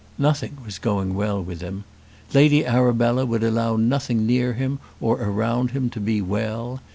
Nothing was going well with him. Lady Arabella would allow nothing near him or around him to be well.